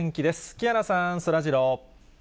木原さん、そらジロー。